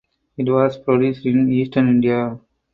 It was produced in Eastern India.